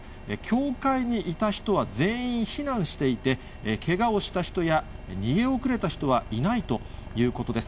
教会にいた人は全員避難していて、けがをした人や、逃げ遅れた人はいないということです。